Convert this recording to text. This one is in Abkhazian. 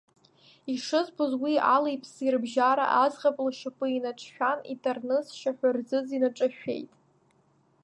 Ишызбоз, уи алиԥси рыбжьара аӡӷаб лшьапы инаҿшәан, итарны сшьаҳәырӡыӡ инаҿашәеит…